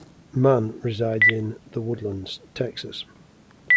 Mann resides in The Woodlands, Texas.